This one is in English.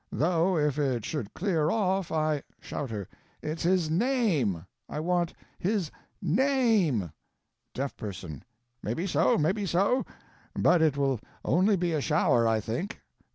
Though if it should clear off I Shouter. It's his NAME I want his NAME. Deaf Person. Maybe so, maybe so; but it will only be a shower, I think.